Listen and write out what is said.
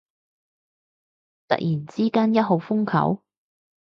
突然之間一號風球？